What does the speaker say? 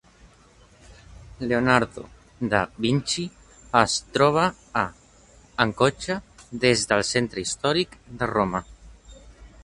Leonardo da Vinci es troba a (...) en cotxe des del centre històric de Roma.